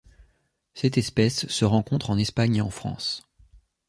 Cette espèce se rencontre en Espagne et en France.